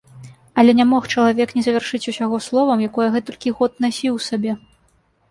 Але не мог чалавек не завяршыць усяго словам, якое гэтулькі год насіў у сабе.